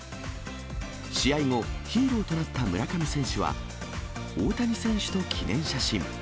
試合後、ヒーローとなった村上選手は、大谷選手と記念写真。